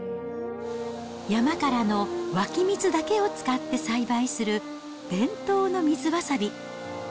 山からの湧き水だけを使って栽培する伝統の水わさび。